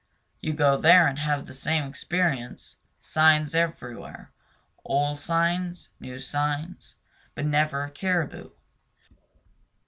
You go there, and have the same experience, signs everywhere, old signs, new signs, but never a caribou.